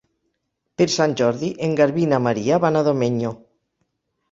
Per Sant Jordi en Garbí i na Maria van a Domenyo.